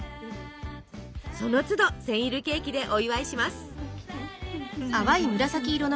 その都度センイルケーキでお祝いします。